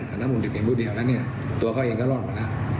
อันน้ำหุ่นติดเป็นพูดเดียวแล้วเนี่ยตัวเขาเองก็รอดหมดแล้ว